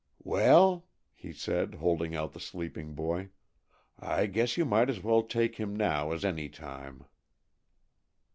"Well," he said, holding out the sleeping boy, "I guess you might as well take him now as any time."